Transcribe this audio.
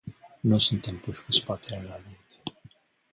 Nu suntem puși cu spatele la zid.